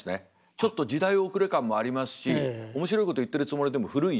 ちょっと時代遅れ感もありますし面白いこと言ってるつもりでも古いし。